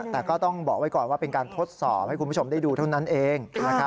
แต่ก็ต้องบอกไว้ก่อนว่าเป็นการทดสอบให้คุณผู้ชมได้ดูเท่านั้นเอง